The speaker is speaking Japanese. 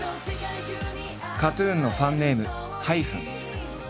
ＫＡＴ−ＴＵＮのファンネーム「ｈｙｐｈｅｎ」。